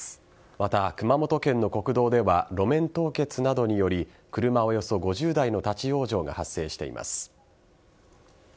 また熊本県の国道では路面凍結などにより車およそ５０台の立ち往生が発生しています。